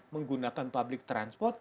menggunakan public transport